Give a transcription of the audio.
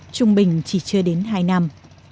trung bình chỉ chưa đến hai năm